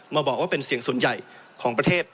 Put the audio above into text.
มาบอกว่าเป็นเสียงส่วนใหญ่ของประเทศ